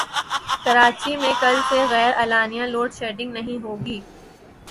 کراچی میں کل سے غیراعلانیہ لوڈشیڈنگ نہیں ہوگی